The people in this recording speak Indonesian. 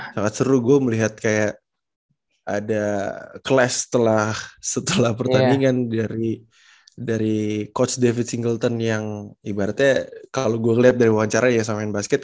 sangat seru gue melihat kayak ada kelas setelah pertandingan dari coach david singleton yang ibaratnya kalau gue ngeliat dari wawancara ya samain basket